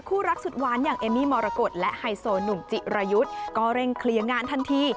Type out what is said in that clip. คู่รักสุดหวานอย่างเอมมี่มรกฏและไฮโซหนุ่มจิรายุทธ์ก็เร่งเคลียร์งานทันที